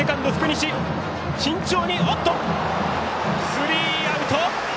スリーアウト。